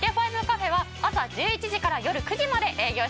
ＦＩＶＥカフェは朝１１時から夜９時まで営業しております。